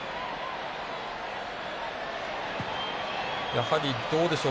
やはり、どうでしょう、